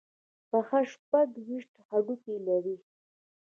پښه شپږ ویشت هډوکي لري.